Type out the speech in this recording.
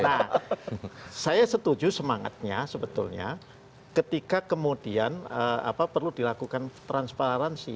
nah saya setuju semangatnya sebetulnya ketika kemudian perlu dilakukan transparansi